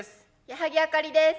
矢作あかりです。